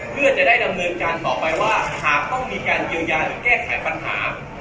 เพื่อจะได้ดำเนินการต่อไปว่าหากต้องมีการเยียวยาหรือแก้ไขปัญหา